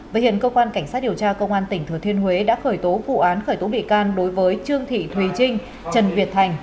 với hiện cơ quan cảnh sát điều tra công an tỉnh thừa thiên huế đã khởi tố vụ án khởi tố bị can đối với trương thị thùy trinh trần việt thành